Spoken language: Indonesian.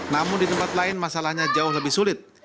namun di tempat lain masalahnya jauh lebih sulit